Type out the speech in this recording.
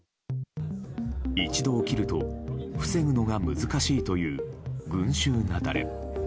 一度起きると防ぐのが難しいという群衆雪崩。